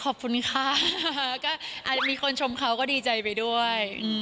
ขอบคุณค่ะก็อาจจะมีคนชมเขาก็ดีใจไปด้วย